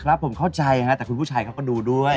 ครับผมเข้าใจฮะแต่คุณผู้ชายเขาก็ดูด้วย